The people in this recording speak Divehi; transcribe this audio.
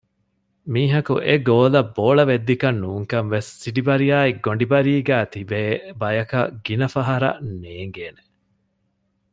މީހަކު އެ ގޯލަށް ބޯޅަ ވެއްދިކަން ނޫންކަން ވެސް ސިޑިބަރިއާއި ގޮނޑިބަރީގައި ތިބޭ ބަޔަކަށް ގިނަފަހަރަށް ނޭނގޭނެ